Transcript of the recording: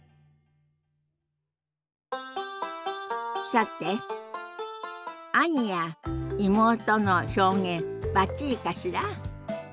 さて「兄」や「妹」の表現バッチリかしら？